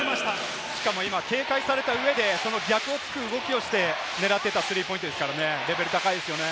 しかも今、警戒された上で、その逆を突く動きをして狙ってたスリーポイントですからね、レベル高いですね。